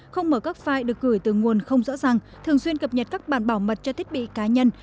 không mở các file được gửi từ nguồn không rõ ràng thường xuyên cập nhật các bản bảo mật cho thiết bị cá nhân